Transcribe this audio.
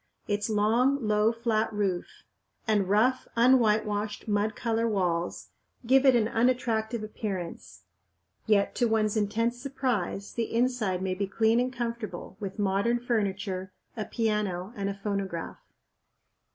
Its long, low, flat roof and rough, unwhitewashed, mud colored walls give it an unattractive appearance; yet to one's intense surprise the inside may be clean and comfortable, with modern furniture, a piano, and a phonograph.